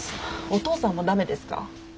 お父さんもダメですか？